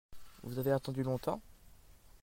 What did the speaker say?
Vous avez attendu longtemps ?